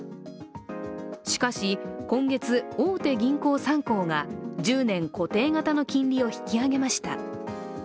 しかし今月、大手銀行３行が１０年固定の金利を引き上げました。